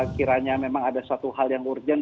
kiranya memang ada suatu hal yang urgent